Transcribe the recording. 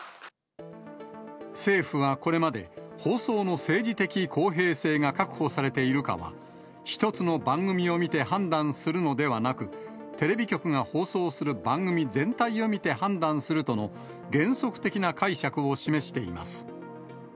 政府はこれまで、放送の政治的公平性が確保されているかは、１つの番組を見て判断するのではなく、テレビ局が放送する番組全体を見て判断するとの原則的な解釈を示しています。